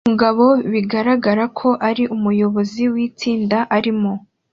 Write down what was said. Umugabo bigaragara ko ari umuyobozi witsinda arimo